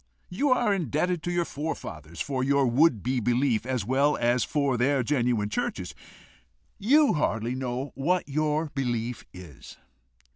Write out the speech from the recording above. You are indebted to your forefathers for your would be belief, as well as for their genuine churches. You hardly know what your belief is.